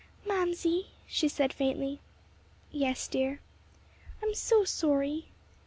"Mamsie," she said faintly. "Yes, dear." "I'm so sorry."